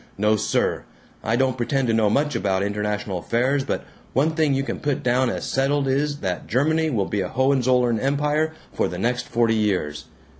No, sir! I don't pretend to know much about international affairs but one thing you can put down as settled is that Germany will be a Hohenzollern empire for the next forty years.